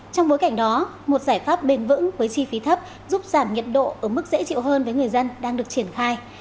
trong bối cảnh đó một giải pháp bền vững với chi phí thấp giúp giảm nhiệt độ ở mức dễ chịu hơn với người dân đang được triển khai